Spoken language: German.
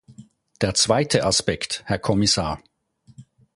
Der zweite Aspekt, Herr Kommissar.